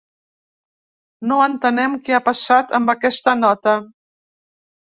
No entenem què ha passat amb aquesta nota.